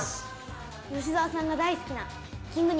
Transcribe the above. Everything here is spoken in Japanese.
吉沢さんが大好きな。